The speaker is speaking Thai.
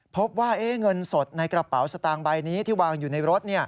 พบว่าเงินสดในกระเป๋าสตางค์ใบนี้ที่วางอยู่ในรถ